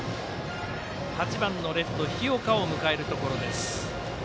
８番のレフト日岡を迎えるところ。